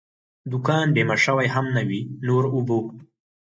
دوکان بیمه شوی هم نه وي، نور اوبه.